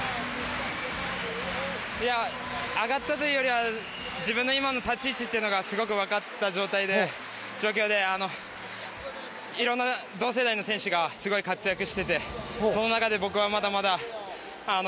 いや上がったというより自分の今の立ち位置がすごく分かった状況でいろんな同世代の選手がすごい活躍していてその中で、僕はまだまだ。